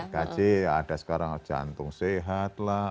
gaji ada sekarang jantung sehat lah